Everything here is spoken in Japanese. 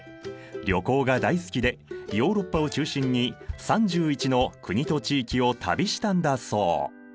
旅行が大好きでヨーロッパを中心に３１の国と地域を旅したんだそう！